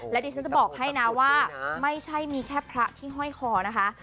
และดิฉันจะบอกให้นะว่าไม่ใช่มีแค่พระที่ห้อยคอนะคะ